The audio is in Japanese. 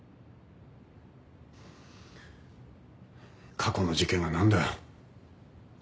過去の事件が何だよ。